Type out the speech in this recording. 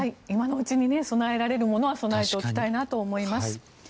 今のうちに備えられるものは備えておきたいなと思います。